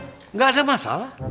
tuh gak ada masalah